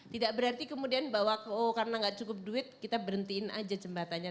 tidak berarti kemudian bahwa karena nggak cukup duit kita berhentiin aja jembatannya